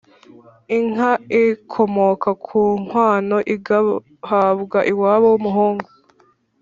Inka ikomoka ku nkwano igahabwa iwabo w’umuhungu